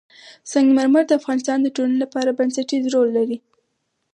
سنگ مرمر د افغانستان د ټولنې لپاره بنسټيز رول لري.